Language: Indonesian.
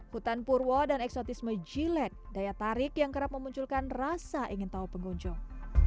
hutan purwo dan eksotisme jilet daya tarik yang kerap memunculkan rasa ingin tahu pengunjung